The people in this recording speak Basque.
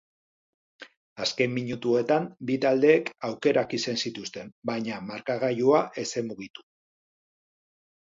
Azken minutuetan bi taldeek aukerak izan zituzten, baina markagailua ez zen mugitu.